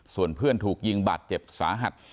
ส่วนเพื่อนถูกยิงบาดเจ็บสาหัส